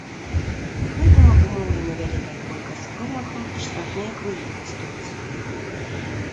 Гэтым абумоўлена вялікая колькасць промахаў і штрафныя кругі на стойцы.